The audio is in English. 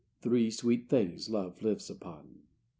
Three sweet things love lives upon.